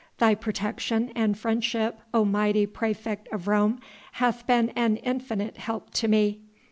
Thy protection and friendship, O mighty praefect of Rome, hath been an infinite help to me.